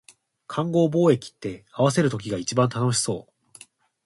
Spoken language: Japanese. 勘合貿易って、合わせる時が一番楽しそう